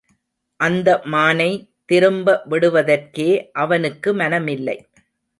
அந்த மானை திரும்ப விடுவதற்கே அவனுக்கு மனமில்லை.